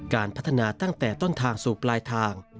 การพัฒนาตั้งแต่ต้นทางสู่ปลายทาง